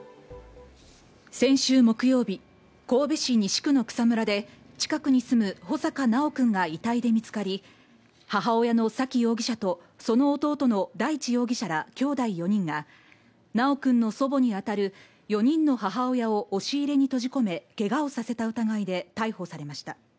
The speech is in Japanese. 先週木曜日、神戸市西区の草むらで、近くに住む、穂坂修くんが遺体で見つかり、母親の沙喜容疑者とその弟の大地容疑者ら、きょうだい４人が修くんの祖母にあたる４人の母親を押し入れに閉じ込め、けがをさせた疑いで逮捕されました。